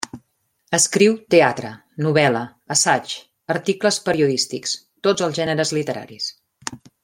Escriu teatre, novel·la, assaig, articles periodístics… tots els gèneres literaris.